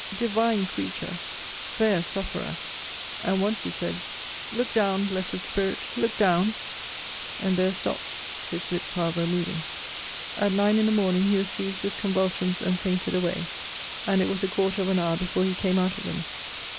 Divine Creature! Fair Sufferer! And once he said, Look down, Blessed Spirit, look down! And there stopt; his lips, however, moving. At nine in the morning he was seized with convulsions, and fainted away; and it was a quarter of an hour before he came out of them.